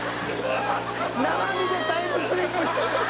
「生身でタイムスリップしてる！」